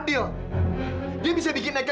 dia bisa bikin eka yang lagi nangis jadi diem